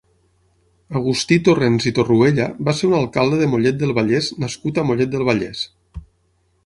Agustí Torrents i Torruella va ser un alcalde de Mollet del Vallès nascut a Mollet del Vallès.